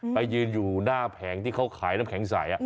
ไปยืนอยู่หน้าแผงที่เขาขายน้ำแข็งใส